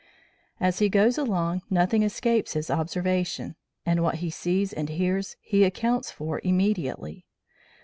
As he goes along, nothing escapes his observation, and what he sees and hears he accounts for immediately.